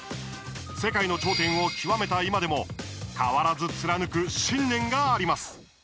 世界の頂点を極めた今でも変わらず貫く信念があります。